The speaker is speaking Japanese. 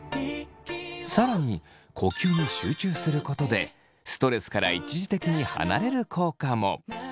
更に呼吸に集中することでストレスから一時的に離れる効果も。